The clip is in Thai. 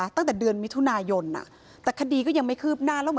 แต่คดีไม่คืบหน้า